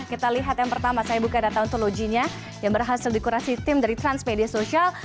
kita lihat yang pertama saya buka data ontologinya yang berhasil dikurasi tim dari transmedia sosial